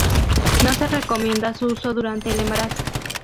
No se recomienda su uso durante el embarazo.